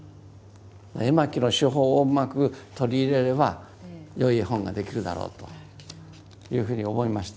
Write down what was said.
絵巻の手法をうまく取り入れればよい絵本ができるだろうというふうに思いました。